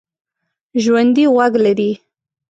ژوندي غوږ لري